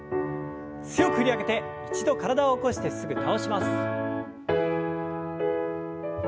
強く振り上げて一度体を起こしてすぐ倒します。